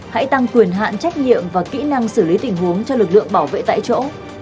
hãy tăng quyền hạn trách nhiệm và kỹ năng xử lý tình huống cho lực lượng bảo vệ tại chỗ